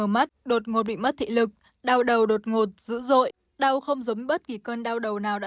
mắt đột ngột bị mất thị lực đau đầu đột ngột dữ dội đau không giống bất kỳ cơn đau đầu nào đã